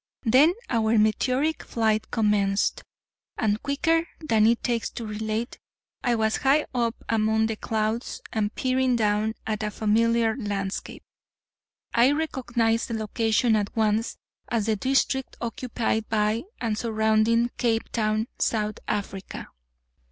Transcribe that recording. Then our meteoric flight commenced, and quicker than it takes to relate I was high up among the clouds and peering down at a familiar landscape. I recognized the location at once as the district occupied by and surrounding Cape Town, South Africa.